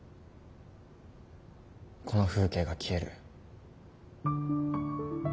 この風景が消える。